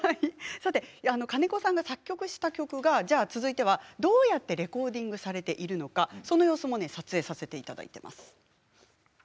金子さんが作曲した曲は続いては、どうやってレコーディングされているのかその様子も撮影させていただいています。